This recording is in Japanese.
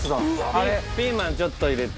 ピーマンちょっと入れて。